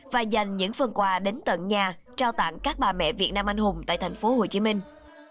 và dành những phần quà đến tận nhà trao tặng các bà mẹ việt nam anh hùng tại thành phố hồ chí minh